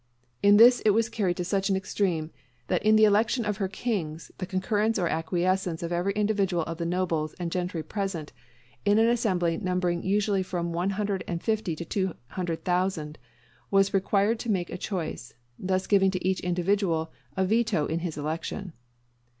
In this it was carried to such an extreme that in the election of her kings, the concurrence or acquiescence of every individual of the nobles and gentry present, in an assembly numbering usually from one hundred and fifty to two hundred thousand, was required to make a choice; thus giving to each individual a veto on his election.